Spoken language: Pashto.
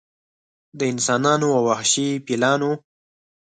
د انسانانو او وحشي فیلانو